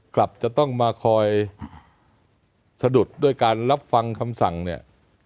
กลับจะต้องมาคอยสะดุดด้วยการรับฟังคำสั่งเนี่ย